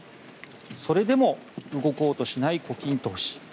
それでも動こうとしない胡錦涛氏。